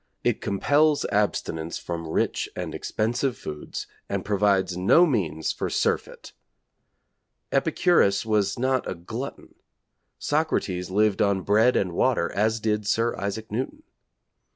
It compels abstinence from rich and expensive foods and provides no means for surfeit. Epicurus was not a glutton. Socrates lived on bread and water, as did Sir Isaac Newton.